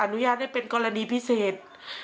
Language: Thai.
อนุญาตให้เป็นกรณีพิเศษ